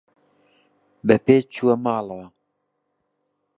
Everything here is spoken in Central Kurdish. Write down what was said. بە پێ چووە ماڵەوە.